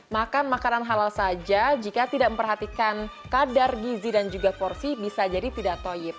makan makanan halal saja jika tidak memperhatikan kadar gizi dan juga porsi bisa jadi tidak toyib